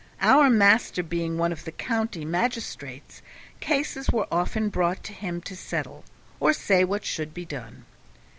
Our master being one of the county magistrates, cases were often brought to him to settle, or say what should be done.